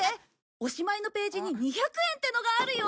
おしまいのページに２００円ってのがあるよ。